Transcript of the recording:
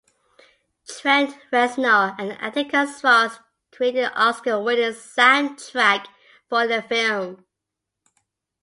Trent Reznor and Atticus Ross created the Oscar-winning soundtrack for the film.